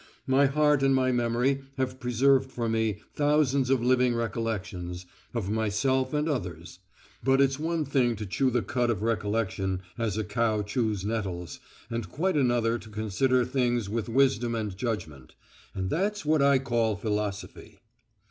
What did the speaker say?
My heart and my memory have preserved for me thousands of living recollections of myself and of others. But it's one thing to chew the cud of recollection as a cow chews nettles, and quite another to consider things with wisdom and judgment. And that's what I call philosophy.